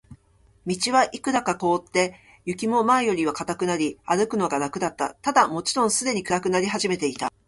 道はいくらか凍って、雪も前よりは固くなり、歩くのが楽だった。ただ、もちろんすでに暗くなり始めていた。